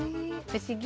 不思議？